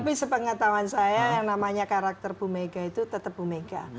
tapi sepengetahuan saya yang namanya karakter bu mega itu tetap bu mega